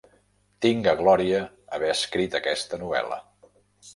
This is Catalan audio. Tinc a glòria haver escrit aquesta novel·la.